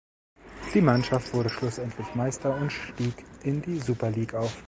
Die Mannschaft wurde schlussendlich Meister und stieg in die Super League auf.